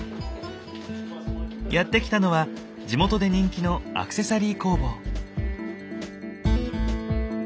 やって来たのは地元で人気のアクセサリー工房。